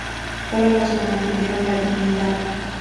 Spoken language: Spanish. Fueron los que mantuvieron la dignidad.